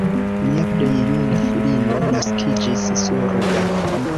Mia plej juna filino naskiĝis surda.